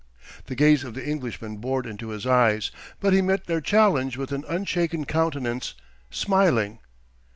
The gaze of the Englishman bored into his eyes; but he met their challenge with an unshaken countenance, smiling.